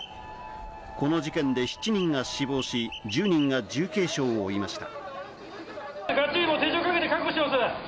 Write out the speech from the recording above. この事件で７人が死亡し、１０人が重軽傷を負いました。